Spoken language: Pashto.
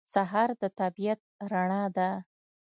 سهار د طبیعت رڼا ده.